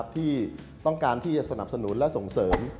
ที่ต้องการที่จะสนับสนุนและส่งเสริม